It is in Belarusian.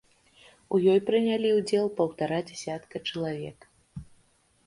У ёй прынялі ўдзел паўтара дзясятка чалавек.